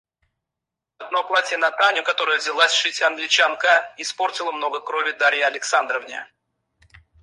Одно платье на Таню, которое взялась шить Англичанка, испортило много крови Дарье Александровне.